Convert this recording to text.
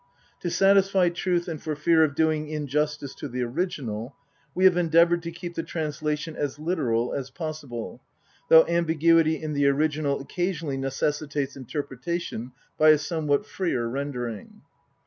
To satisfy truth and for fear of doing injustice to the original, we have endeavoured to keep the translation as literal as possible, though ambiguity in the original occasionally necessitates interpretation by a somewhat freer rendering.